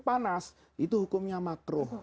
panas itu hukumnya makruh